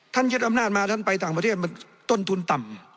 ยึดอำนาจมาท่านไปต่างประเทศมันต้นทุนต่ำ